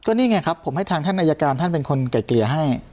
นี่ไงครับผมให้ทางท่านอายการท่านเป็นคนไก่เกลี่ยให้